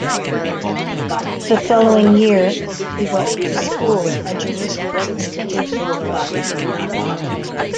The following year he went to school at Jerusalem's Institute for the Blind.